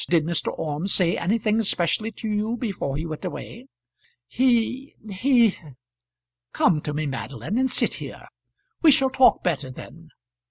Did Mr. Orme say anything specially to you before he went away?" "He he " "Come to me, Madeline, and sit here. We shall talk better then."